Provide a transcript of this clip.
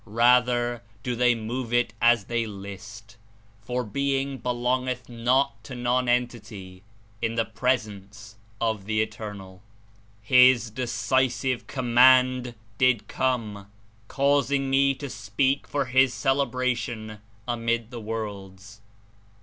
of the Rather do they move it as they list, for Spirit being belongeth not to nonentity in the presence of the Eternal. His decisive command did come, causing me to speak for His celebration amid the worlds.